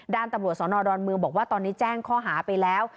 ด้านตำรวจสนดอนเมืองบอกว่าตอนนี้แจ้งข้อหาไปแล้ว